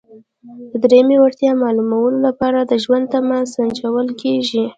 د دریمې وړتیا معلومولو لپاره د ژوند تمه سنجول کیږي.